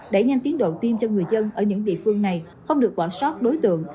để nhanh tiến độ tiêm cho người dân ở những địa phương này không được bỏ sót đối tượng